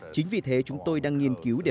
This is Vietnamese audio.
chính vì thế chúng tôi đang nghiên cứu